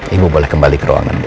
ibu boleh kembali ke ruangan